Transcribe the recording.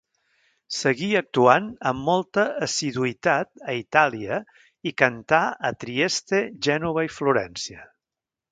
Seguí actuant amb molta assiduïtat a Itàlia i cantà a Trieste, Gènova i Florència.